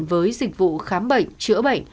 với dịch vụ khám bệnh chữa bệnh